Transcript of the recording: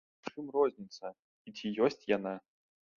Дык у чым розніца, і ці ёсць яна?